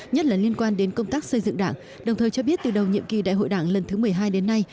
nhất là liên quan đến công tác xây dựng đảng đồng thời cho biết từ đầu nhiệm kỳ đại hội đảng lần thứ một mươi hai đến nay